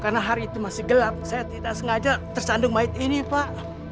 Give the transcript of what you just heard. karena hari itu masih gelap saya tidak sengaja tersandung main ini pak